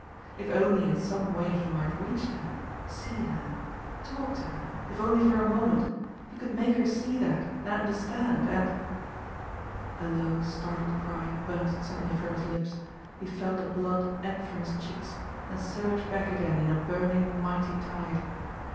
If only in some way he might reach her, see her, talk to her, if only for a moment, he could make her see that, and understand, and A low, startled cry burst suddenly from his lips; he felt the blood ebb from his cheeks and surge back again in a burning, mighty tide.